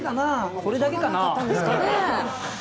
それだけかなぁ。